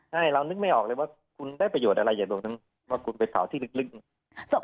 ใช่เรานึกไม่ออกเลยว่าคุณได้ประโยชน์อะไรอย่ารวมทั้งว่าคุณไปเผาที่ลึก